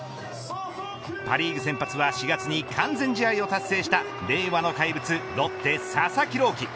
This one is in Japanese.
パ・リーグ先発は４月に完全試合を達成した令和の怪物、ロッテ佐々木朗希。